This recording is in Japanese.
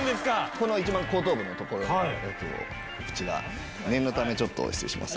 この一番後頭部の所にあるやつをこちら念のためちょっと失礼しますね。